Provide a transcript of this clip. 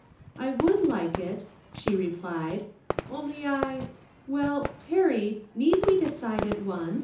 " I would like it," she replied, " only I — well, •Perry, need we decide at once